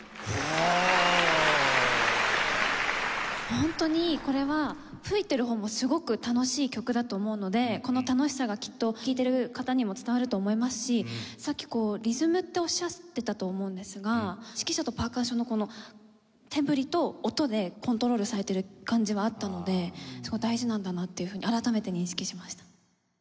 ホントにこれは吹いてる方もすごく楽しい曲だと思うのでこの楽しさがきっと聴いてる方にも伝わると思いますしさっきリズムっておっしゃってたと思うんですが指揮者とパーカッションのこの手ぶりと音でコントロールされてる感じがあったのですごい大事なんだなというふうに改めて認識しました。